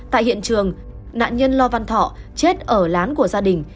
tại hiện trường nạn nhân lo văn thọ chết ở lán của gia đình